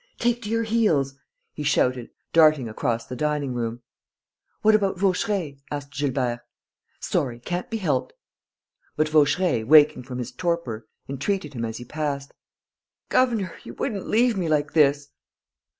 Take to your heels!" he shouted, darting across the dining room. "What about Vaucheray?" asked Gilbert. "Sorry, can't be helped!" But Vaucheray, waking from his torpor, entreated him as he passed: "Governor, you wouldn't leave me like this!"